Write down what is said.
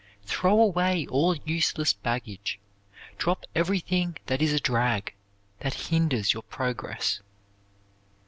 Throw away all useless baggage, drop everything that is a drag, that hinders your progress.